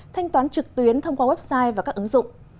thanh toán trực tuyến thông qua website và các ứng dụng